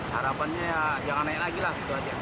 harapannya jangan naik lagi lah